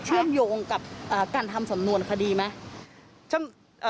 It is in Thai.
เชื่อมโยงกับการทำสำนวนคดีไหม